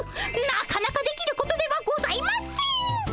なかなかできることではございません！